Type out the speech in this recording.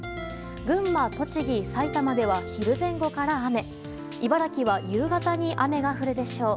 群馬、栃木、埼玉では昼前後から雨茨城は夕方に雨が降るでしょう。